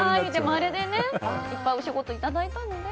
あれでいっぱいお仕事いただいたので。